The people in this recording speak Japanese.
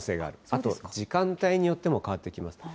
あと時間帯によっても変わってきます。